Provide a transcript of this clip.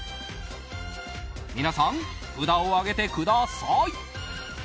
皆さん、札を上げてください。